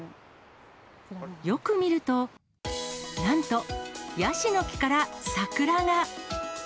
よく見ると、なんと、ヤシの木から桜が。